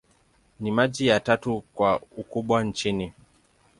Ni mji wa tatu kwa ukubwa nchini.